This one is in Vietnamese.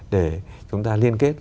để chúng ta liên kết